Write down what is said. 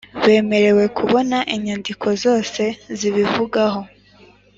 Bemerewe kubona inyandiko zose zibivugaho